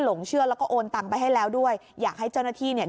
หลงเชื่อแล้วก็โอนตังไปให้แล้วด้วยอยากให้เจ้าหน้าที่เนี่ย